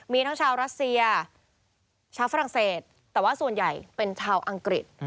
มีทั้งชาวรัสเซียชาวฝรั่งเศสแต่ว่าส่วนใหญ่เป็นชาวอังกฤษ